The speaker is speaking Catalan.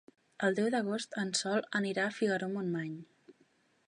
El deu d'agost en Sol anirà a Figaró-Montmany.